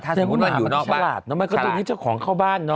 ถ้าสมมุติว่ามันอยู่นอกบ้านแล้วมันก็ตรงนี้เจ้าของเข้าบ้านเนอะ